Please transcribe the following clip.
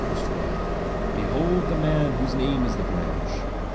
12) : Behold the man whose name is the Branch.